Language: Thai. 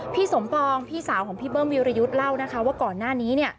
สมปองพี่สาวของพี่เบิ้มวิรยุทธ์เล่านะคะว่าก่อนหน้านี้